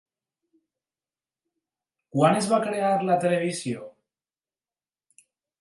Quan es va crear la televisió?